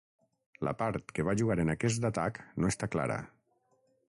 La part que va jugar en aquest atac no està clara.